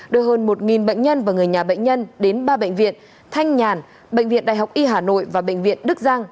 đưa hơn một bệnh nhân và người nhà bệnh nhân đến ba bệnh viện thanh nhàn bệnh viện đại học y hà nội và bệnh viện đức giang